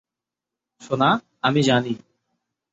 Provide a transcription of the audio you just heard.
সোনা, আমি জানি।